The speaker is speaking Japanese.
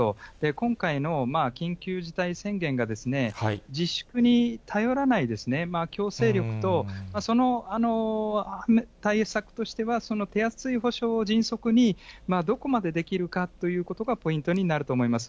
今回の緊急事態宣言が自粛に頼らない強制力と、その対策としては、手厚い補償を迅速に、どこまでできるかということがポイントになると思います。